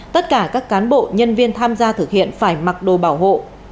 tất cả các cán bộ nhân viên tham gia thực hiện phải mặc đồ bảo hộ